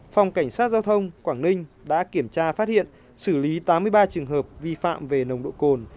phòng cảnh sát giao thông quảng ninh đã kiểm tra phát hiện xử lý tám mươi ba trường hợp vi phạm về nồng độ cồn